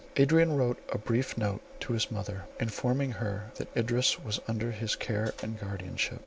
Adrian wrote a brief note to his mother, informing her that Idris was under his care and guardianship.